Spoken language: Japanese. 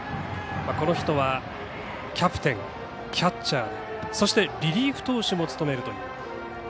この人はキャプテンキャッチャー、そしてリリーフ投手も務めるという。